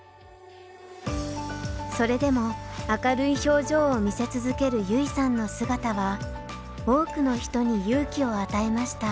それでも明るい表情を見せ続ける優生さんの姿は多くの人に勇気を与えました。